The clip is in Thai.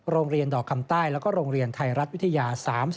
โรงเรียนดอกคำใต้แล้วก็โรงเรียนไทยรัฐวิทยา๓๔